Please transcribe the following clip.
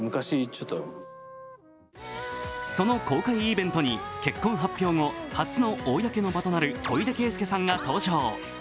その公開イベントに結婚発表後初の公の場となる小出恵介さんが登場。